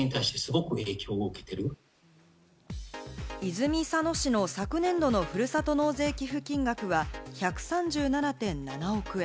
泉佐野市の昨年度のふるさと納税寄付金額は１３７．７億円。